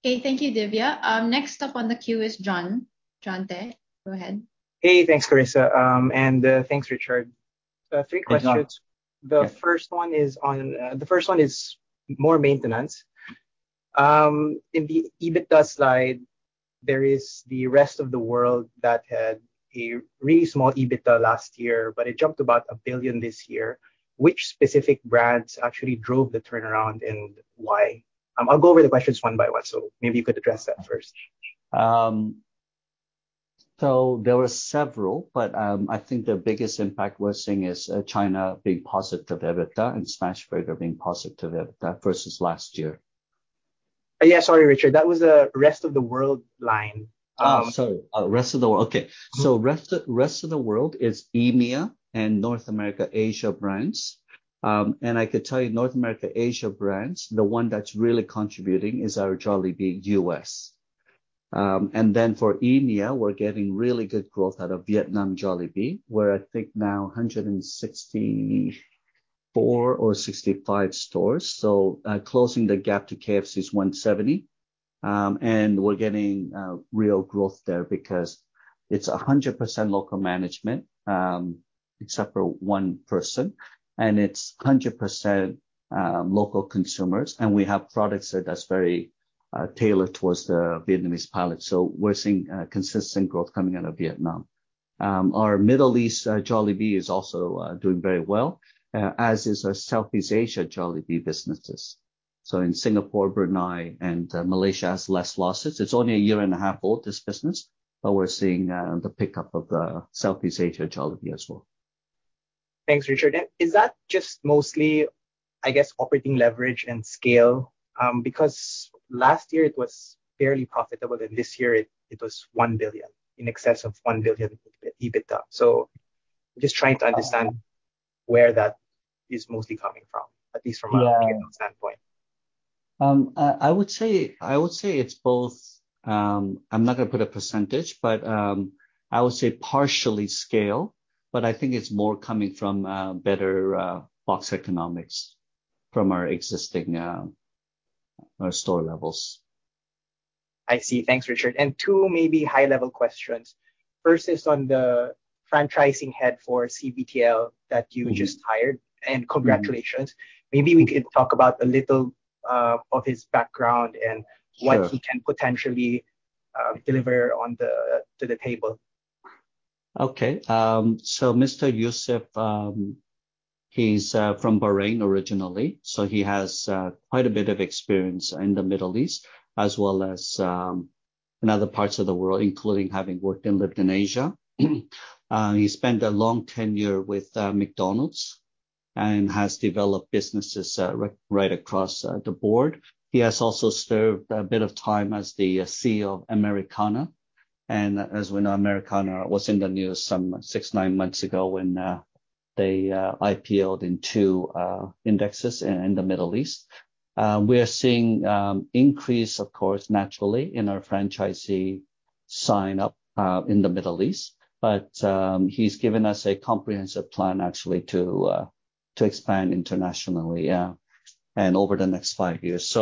Okay. Thank you, Divya. Next up on the queue is John. John Tay, go ahead. Hey, thanks, Carissa. Thanks, Richard. Thanks, John. Three questions. The first one is on... The first one is more maintenance. In the EBITDA slide, there is the rest of the world that had a really small EBITDA last year, but it jumped about 1 billion this year. Which specific brands actually drove the turnaround, and why? I'll go over the questions one by one, so maybe you could address that first. There were several, but, I think the biggest impact we're seeing is China being positive EBITDA and Smashburger being positive EBITDA versus last year. Yeah, sorry, Richard. That was the rest of the world line. Oh, sorry. Rest of the world. Okay. Mm-hmm. Rest of, rest of the world is AMEA and North America, Asia brands. I could tell you North America, Asia brands, the one that's really contributing is our Jollibee U.S. Then for AMEA, we're getting really good growth out of Vietnam Jollibee, where I think now 164 or 165 stores. Closing the gap to KFC is 170. We're getting real growth there because it's a 100% local management, except for one person, and it's 100% local consumers, and we have products that's very tailored towards the Vietnamese palate. We're seeing consistent growth coming out of Vietnam. Our Middle East Jollibee is also doing very well, as is our Southeast Asia Jollibee businesses. In Singapore, Brunei, and Malaysia has less losses. It's only a year and a half old, this business, but we're seeing the pickup of the Southeast Asia Jollibee as well. Thanks, Richard. Is that just mostly, I guess, operating leverage and scale? Because last year it was barely profitable, and this year it, it was 1 billion, in excess of 1 billion EBITDA. Just trying to understand where that is mostly coming from, at least from a- Yeah -standpoint. I, I would say, I would say it's both. I'm not gonna put a percentage, but I would say partially scale, but I think it's more coming from better box economics from our existing, our store levels. I see. Thanks, Richard. Two maybe high-level questions. First is on the franchising head for CBTL that you just hired, and congratulations. Maybe we could talk about a little of his background and- Sure What he can potentially deliver to the table. Okay, Mr. Yousef, he's from Bahrain originally, he has quite a bit of experience in the Middle East, as well as in other parts of the world, including having worked and lived in Asia. He spent a long tenure with McDonald's and has developed businesses right across the board. He has also served a bit of time as the CEO of Americana, and as we know, Americana was in the news some six to nine months ago when they IPO'd in two indexes in the Middle East. We are seeing increase, of course, naturally in our franchisee sign-up in the Middle East, but he's given us a comprehensive plan actually to expand internationally over the next five years.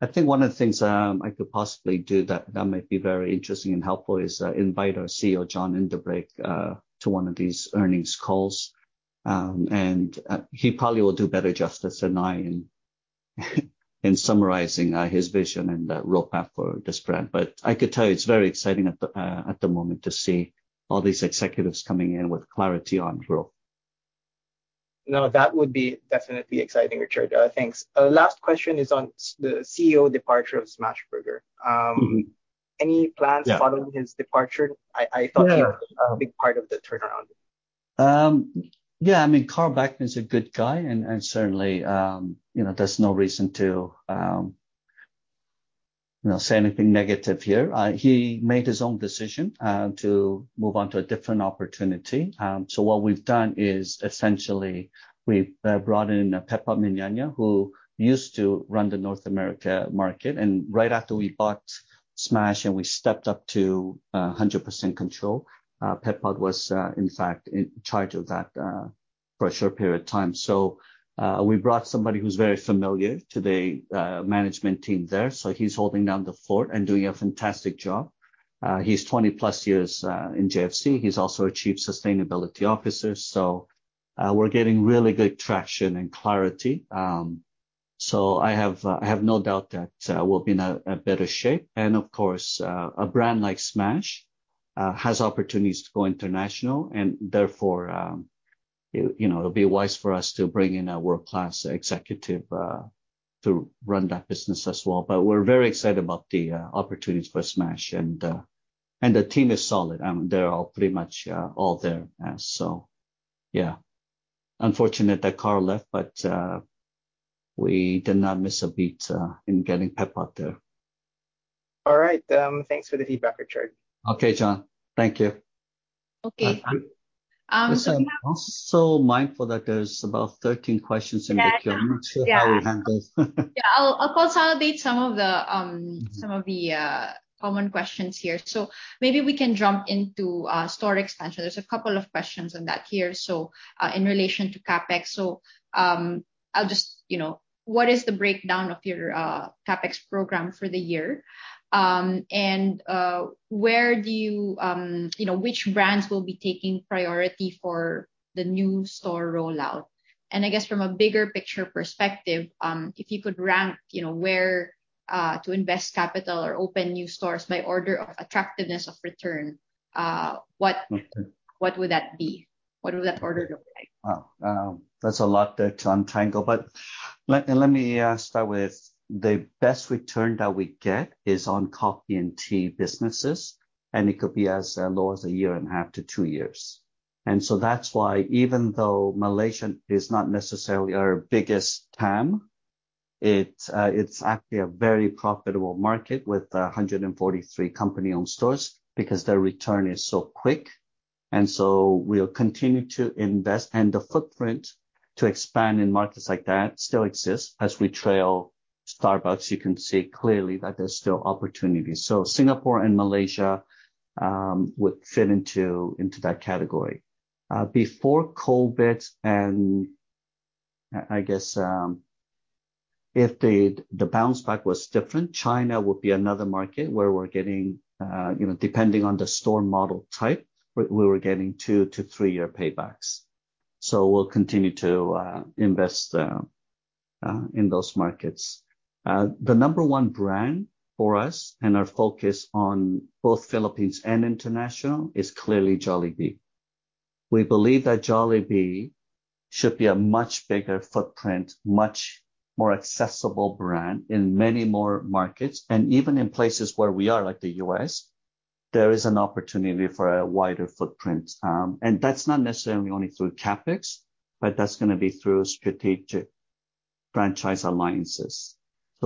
I think one of the things, I could possibly do that, that might be very interesting and helpful is, invite our CEO, John in de Braekt, to one of these earnings calls. He probably will do better justice than I in, in summarizing, his vision and the roadmap for this brand. I could tell you, it's very exciting at the moment to see all these executives coming in with clarity on growth. No, that would be definitely exciting, Richard. Thanks. Last question is on the CEO departure of Smashburger. Mm-hmm. Any plans. Yeah -following his departure? I, I thought- Yeah he was a big part of the turnaround. Yeah, I mean, Carl Bachmann is a good guy and, and certainly, you know, there's no reason to, you know, say anything negative here. He made his own decision to move on to a different opportunity. What we've done is essentially we brought in Pepot Miñana, who used to run the North America market, and right after we bought Smash, and we stepped up to 100% control, Pepot was, in fact, in charge of that for a short period of time. We brought somebody who's very familiar to the management team there, so he's holding down the fort and doing a fantastic job. He's 20+ years in JFC. He's also a chief sustainability officer, we're getting really good traction and clarity. I have, I have no doubt that we'll be in a better shape. Of course, a brand like Smash has opportunities to go international, and therefore, you know, it'll be wise for us to bring in a world-class executive to run that business as well. We're very excited about the opportunities for Smash, and the team is solid, and they're all pretty much all there. Yeah. Unfortunate that Carl left, but we did not miss a beat in getting Pepot there. All right. Thanks for the feedback, Richard. Okay, John. Thank you. Okay. I'm so mindful that there's about 13 questions in the queue. Yeah. I'm not sure how we handle. Yeah. I'll, I'll consolidate some of the, some of the common questions here. Maybe we can jump into store expansion. There's a couple of questions on that here, in relation to CapEx. I'll just, you know, what is the breakdown of your CapEx program for the year? And where do you, you know, which brands will be taking priority for the new store rollout? I guess from a bigger picture perspective, if you could rank, you know, where to invest capital or open new stores by order of attractiveness of return, what- Okay. What would that be? What would that order look like? Wow. That's a lot to untangle, but let, let me start with the best return that we get is on coffee and tea businesses, and it could be as low as a year and a half to two years. That's why even though Malaysia is not necessarily our biggest TAM, it's actually a very profitable market with 143 company-owned stores because their return is so quick. We'll continue to invest, and the footprint to expand in markets like that still exists as we trail Starbucks. You can see clearly that there's still opportunities. Singapore and Malaysia would fit into, into that category. Before COVID, and I, I guess, if the, the bounce back was different, China would be another market where we're getting, you know, depending on the store model type, we, we were getting two to three-year paybacks. We'll continue to invest in those markets. The number one brand for us and our focus on both Philippines and international is clearly Jollibee. We believe that Jollibee should be a much bigger footprint, much more accessible brand in many more markets, and even in places where we are, like the U.S., there is an opportunity for a wider footprint. That's not necessarily only through CapEx, but that's gonna be through strategic franchise alliances.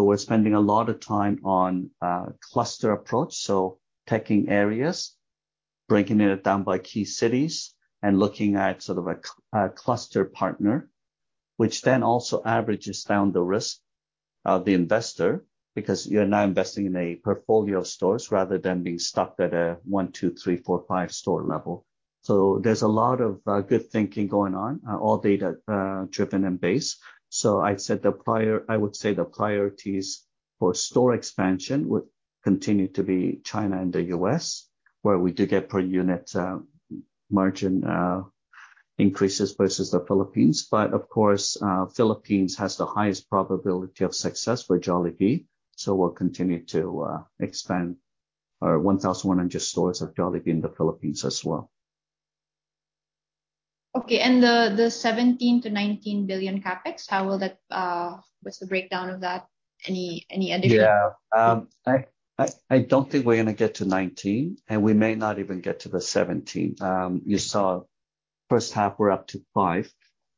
We're spending a lot of time on cluster approach, so taking areas, breaking it down by key cities and looking at sort of a cluster partner, which then also averages down the risk of the investor, because you're now investing in a portfolio of stores rather than being stuck at a one, two, three, four, five store level. There's a lot of good thinking going on, all data driven and based. I would say the priorities for store expansion would continue to be China and the U.S., where we do get per unit margin increases versus the Philippines. Of course, Philippines has the highest probability of success for Jollibee, so we'll continue to expand our 1,100 stores of Jollibee in the Philippines as well. Okay, and the, the 17 billion-19 billion CapEx, how will that? What's the breakdown of that? Any, any additional- Yeah. I don't think we're gonna get to 19, and we may not even get to the 17. You saw first half, we're up to five.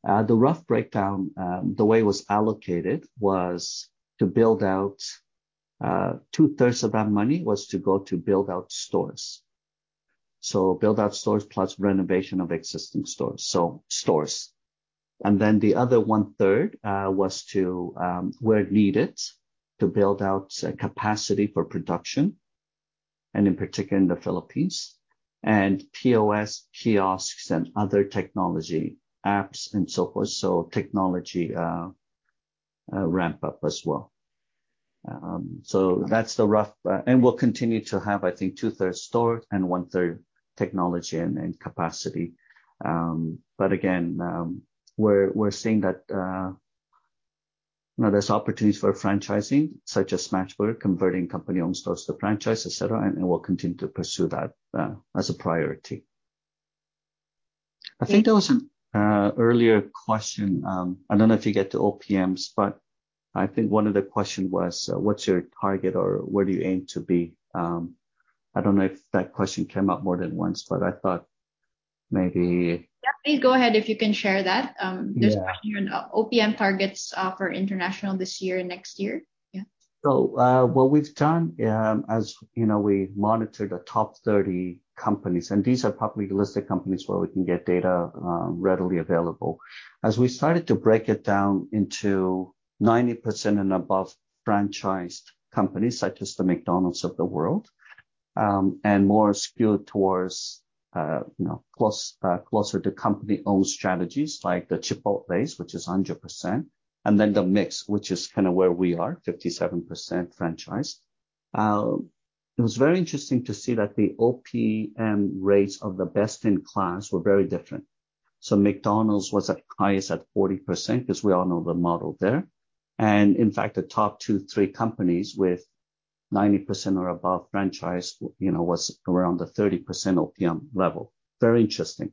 The rough breakdown, the way it was allocated was to build out, two-thirds of that money was to go to build out stores. Build out stores plus renovation of existing stores, so stores. Then the other one-third was to, where needed, to build out capacity for production, in particular in the Philippines, and POS, kiosks, and other technology, apps and so forth, so technology ramp up as well. So that's the rough... We'll continue to have, I think, two-thirds store and one-third technology and capacity. Again, we're, we're seeing that, you know, there's opportunities for franchising, such as Smashburger, converting company-owned stores to franchise, and we'll continue to pursue that as a priority. I think there was an earlier question, I don't know if you get to OPMs, but I think one of the question was: What's your target or where do you aim to be? I don't know if that question came up more than once, but I thought maybe... Yeah, please go ahead if you can share that. Yeah. There's a question on OPM targets, for international this year and next year. Yeah. What we've done, as, you know, we monitor the top 30 companies, and these are publicly listed companies where we can get data, readily available. As we started to break it down into 90% and above franchised companies, such as the McDonald's of the world, and more skewed towards, you know, close, closer to company-owned strategies like the Chipotle, which is 100%, and then the mix, which is kind of where we are, 57% franchised. It was very interesting to see that the OPM rates of the best-in-class were very different. McDonald's was at highest at 40%, 'cause we all know the model there. In fact, the top two, three companies with 90% or above franchise, you know, was around the 30% OPM level. Very interesting.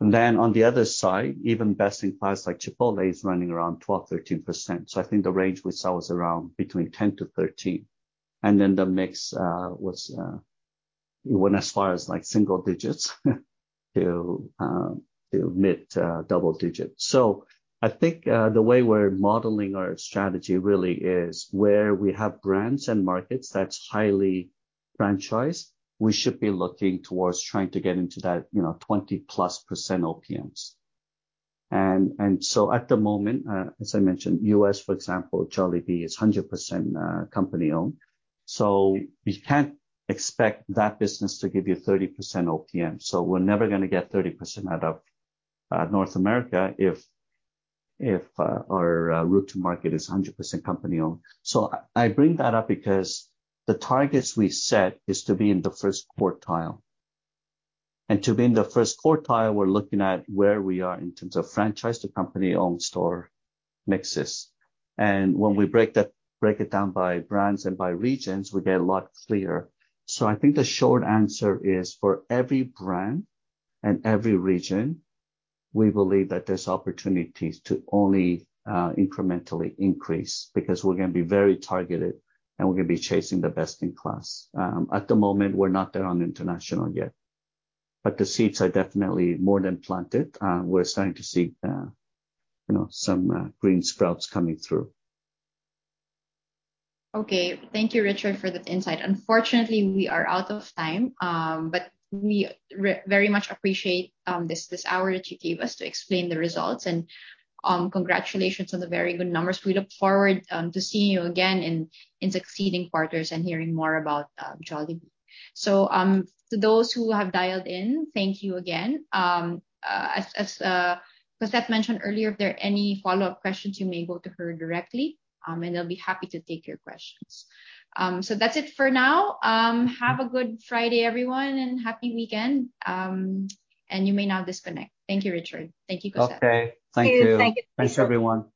On the other side, even best-in-class like Chipotle is running around 12%-13%, so I think the range we saw was around between 10-13. The mix was, it went as far as, like, single digits, to mid-double digit. I think the way we're modeling our strategy really is where we have brands and markets that's highly franchised, we should be looking towards trying to get into that, you know, 20%+ OPMs. At the moment, as I mentioned, US, for example, Jollibee, is 100% company-owned, so we can't expect that business to give you a 30% OPM. We're never gonna get 30% out of North America if, if our route to market is a 100% company-owned. I, I bring that up because the targets we set is to be in the first quartile. To be in the first quartile, we're looking at where we are in terms of franchised to company-owned store mixes. When we break that, break it down by brands and by regions, we get a lot clearer. I think the short answer is, for every brand and every region, we believe that there's opportunities to only incrementally increase, because we're gonna be very targeted, and we're gonna be chasing the best-in-class. At the moment, we're not there on international yet, but the seeds are definitely more than planted. We're starting to see, you know, some green sprouts coming through. Okay. Thank you, Richard, for that insight. Unfortunately, we are out of time, but we very much appreciate this hour that you gave us to explain the results, and congratulations on the very good numbers. We look forward to seeing you again in succeeding quarters and hearing more about Jollibee. To those who have dialed in, thank you again. As Cosette mentioned earlier, if there are any follow-up questions, you may go to her directly, and they'll be happy to take your questions. That's it for now. Have a good Friday, everyone, and happy weekend. You may now disconnect. Thank you, Richard. Thank you, Cosette. Okay. Thank you. Thank you. Thanks, everyone. Thank you.